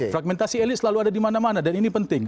fragmentasi elit selalu ada di mana mana dan ini penting